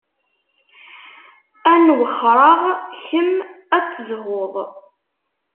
Ad n-wexreɣ, kemm ad tezhuḍ.